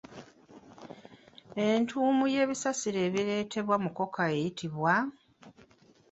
Entuumu y'ebisassiro ebireetebwa mukoka eyitibwa?